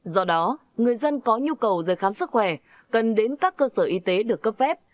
do đó người dân có nhu cầu giấy khám sức khỏe cần đến các cơ sở y tế được cấp phép